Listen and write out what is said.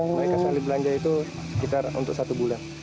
mereka saling belanja itu sekitar untuk satu bulan